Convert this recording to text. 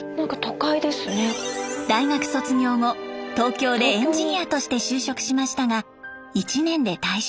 大学卒業後東京でエンジニアとして就職しましたが１年で退職。